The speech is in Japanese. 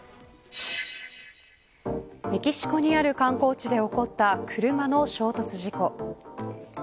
メキシコにある観光地で起こった車の衝突事故。